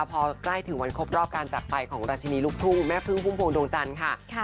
พอใกล้ถึงวันครบรอบการจัดไปของราชินีลูกภูมิแม่ภึงภูมิภวงดวงจันทร์ค่ะค่ะ